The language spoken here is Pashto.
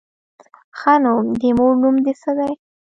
_ښه نو، د مور نوم دې څه دی؟